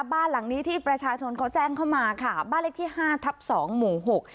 บ้านหลังนี้ที่ประชาชนเขาแจ้งเข้ามาค่ะบ้านเลขที่ห้าทับสองหมู่หก